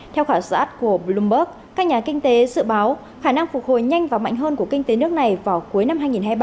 theo khảo sát của bloomberg các nhà kinh tế dự báo khả năng phục hồi nhanh và mạnh hơn của kinh tế nước này vào cuối năm hai nghìn hai mươi ba